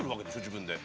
自分で。